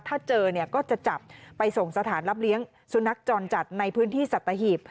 ถ้าเจอเนี่ยก็จะจับไปส่งสถานรับเลี้ยงสุนัขจรจัดในพื้นที่สัตหีบ